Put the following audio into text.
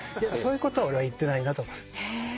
「そういうことは俺は言ってないな」と。